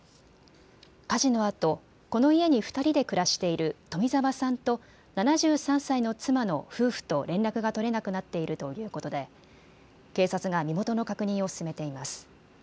火事のあと、この家に２人で暮らしている冨澤さんと７３歳の妻の夫婦と連絡が取れなくなっているということで警察が身元の確認を進めています。